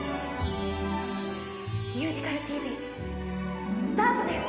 「ミュージカルＴＶ」スタートです！